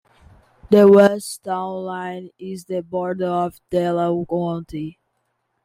The west town line is the border of Delaware County.